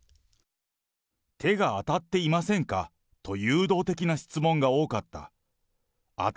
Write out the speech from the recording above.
手が当たっていませんかという、誘導的な質問が多かった。